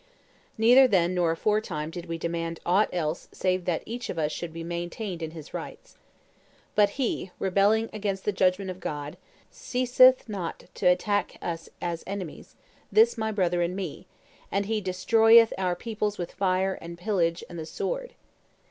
Neither then nor aforetime did we demand ought else save that each of us should be maintained in his rights. But he, rebelling against the judgment of God, ceaseth not to attack us as enemies, this my brother and me; and he destroyeth our peoples with fire and pillage and the sword.